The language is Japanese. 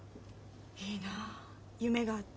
いいなあ夢があって。